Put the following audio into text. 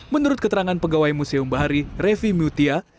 menurut keterangan pegawai museum bahari refi muthia